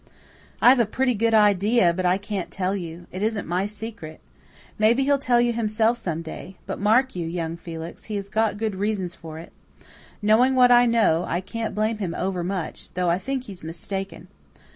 "I have a pretty good idea, but I can't tell you. It isn't my secret. Maybe he'll tell you himself some day. But, mark you, young Felix, he has got good reasons for it all. Knowing what I know, I can't blame him over much, though I think he's mistaken.